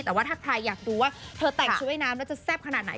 แต่ว่าถ้าใครอยากดูว่าเธอแต่งชุดว่ายน้ำแล้วจะแซ่บขนาดไหน